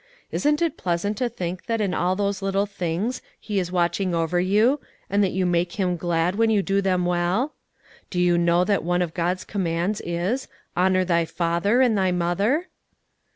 Isn't it pleasant to think that in all those little things He is watching over you, and that you make Him glad when you do them well? Do you know that one of God's commands is, 'Honour thy father and thy mother'?"